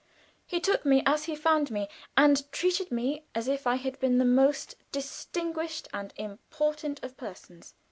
He took me as he found me, and treated me as if I had been the most distinguished and important of persons.